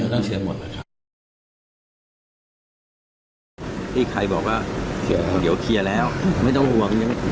ก็นี้ก็ขอให้เป็นเรื่องของท่านสอบส่ง